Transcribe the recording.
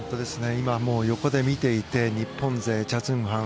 今、横で見ていて日本勢、チャ・ジュンファン